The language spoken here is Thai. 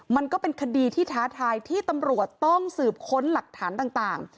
มันก็เป็นคดีที่ท้าทายที่ตำรวจต้องสืบค้นหลักฐานต่าง